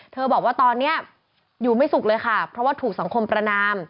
บอกว่าตอนนี้อยู่ไม่สุขเลยค่ะเพราะว่าถูกสังคมประนาม